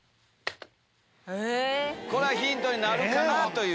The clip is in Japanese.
これはヒントになるかなと思う。